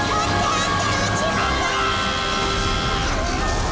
あっ。